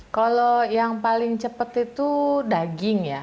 kalau yang paling cepat itu daging ya